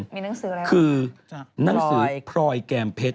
มีหนังสืออะไรบ้างครับจากพลอยคือหนังสือพลอยแกรมเพชร